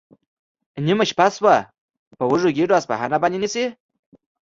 نیمه شپه شوه، په وږو ګېډو اصفهان راباندې نیسي؟